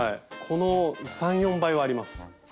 この３４倍はあります。